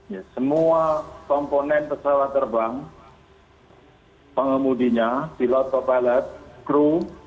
ya semua komponen pesawat terbang pengemudinya pilot pilot kru